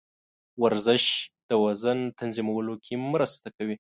ورزش د وزن تنظیمولو کې مرسته کوي.